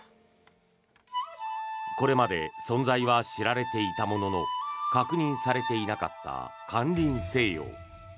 これまで存在は知られていたものの確認されていなかった「間林清陽」。